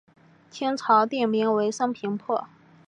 清朝定名为升平坡。